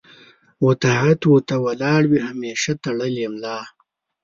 و طاعت و ته ولاړ وي همېشه تړلې ملا